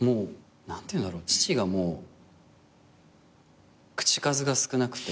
何ていうんだろう父がもう口数が少なくて。